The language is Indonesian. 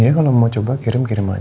ya kalau mau coba kirim kirim aja